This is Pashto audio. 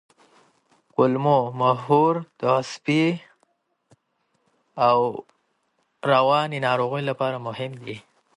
کولمو محور د عصبي او رواني ناروغیو لپاره مهم دی.